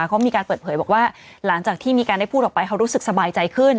เขามีการเปิดเผยบอกว่าหลังจากที่มีการได้พูดออกไปเขารู้สึกสบายใจขึ้น